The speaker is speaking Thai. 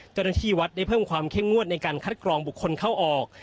เจ้าหน้าที่วัดได้เพิ่มความเข้มงวดในการคัดกรองบุคคลเข้าออก